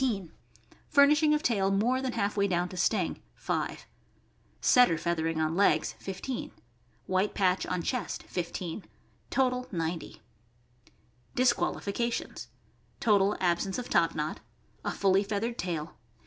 .100 Furnishing of tail more than half way down to sting 5 Setter feathering on legs 15 White patch on chest 15 Total .. .90 DISQUALIFICATIONS. Total absence of top knot. A fully feathered tail.